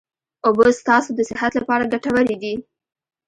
اوبه ستاسو د صحت لپاره ګټوري دي